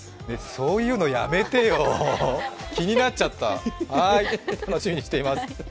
そういうのやめてよ、気になっちゃった、楽しみにしてます。